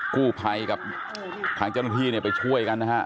กู้ภัยกับทางเจ้าหน้าที่เนี่ยไปช่วยกันนะฮะ